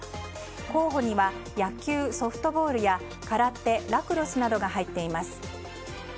候補には野球・ソフトボールや空手、ラクロスなどが入っています。